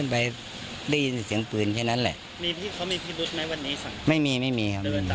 ไม่มีเขาไม่มี